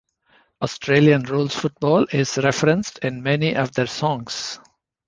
Australian rules football is referenced in many of their songs.